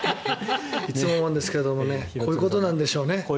いつも思うんですがこういうことでしょうね。